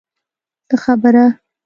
څه خبره.